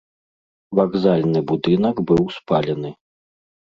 Вакзальны будынак быў спалены.